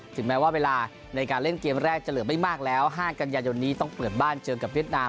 ถึงแม้ว่าเวลาในการเล่นเกมแรกจะเหลือไม่มากแล้ว๕กันยายนนี้ต้องเปิดบ้านเจอกับเวียดนาม